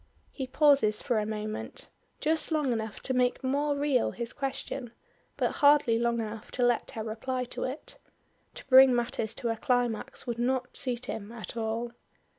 He pauses for a moment, just long enough to make more real his question, but hardly long enough to let her reply to it. To bring matters to a climax, would not suit him at all.